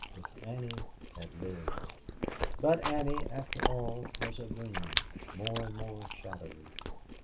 If Annie had lived." But Annie, after all, was a dream, more and more shadowy.